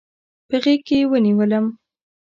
په غېږ کې ونیولم.